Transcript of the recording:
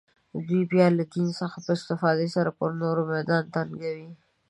دوی بیا له دین څخه په استفاده سره پر نورو میدان تنګوي